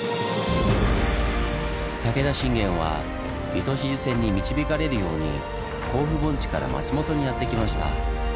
武田信玄は糸静線に導かれるように甲府盆地から松本にやって来ました。